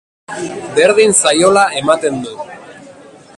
Berdin zaiola ematen du.